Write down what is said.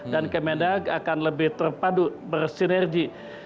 dan kemendak akan lebih terpadu bersinergi